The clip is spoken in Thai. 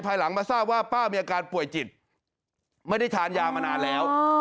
หลังมาทราบว่าป้ามีอาการป่วยจิตไม่ได้ทานยามานานแล้ว